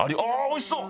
おいしそう！